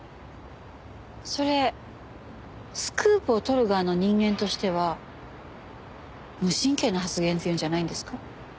それスクープを撮る側の人間としては無神経な発言っていうんじゃないんですか？